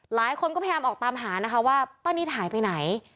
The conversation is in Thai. หลายคนก็พยายามออกตามหานะคะว่าป้านิตหายไปไหน